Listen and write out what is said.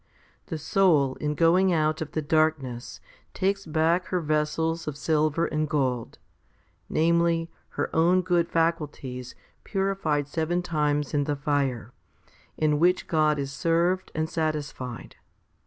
The soul in going out of the dark ness takes back her vessels of silver and gold, namely her own good faculties purified seven times in the fire, 1 in which God is served and satisfied.